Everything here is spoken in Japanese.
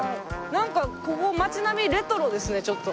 なんかここ街並みレトロですねちょっと。